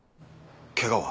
ケガは？